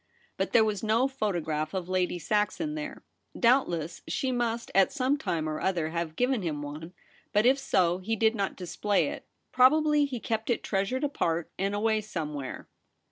But there was no photograph of Lady Saxon there. Doubt less she must at some time or other have given him one ; but if so, he did not display it ; probably he kept it treasured apart and away somewhere.